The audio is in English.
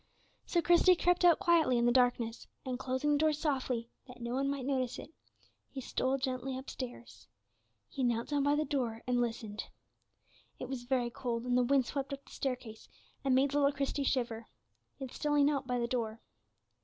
So Christie crept out quietly in the darkness, and closing the door softly, that no one might notice it, he stole gently upstairs. He knelt down by the door and listened. It was very cold, and the wind swept up the staircase, and made little Christie shiver. Yet still he knelt by the door.